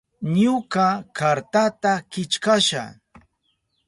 Ñuka kartata killkasha.